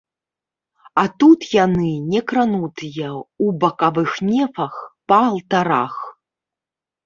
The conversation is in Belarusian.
А тут яны, некранутыя, у бакавых нефах, па алтарах!